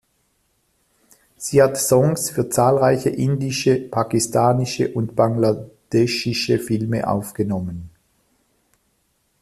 Sie hat Songs für zahlreiche indische, pakistanische und bangladeschische Filme aufgenommen.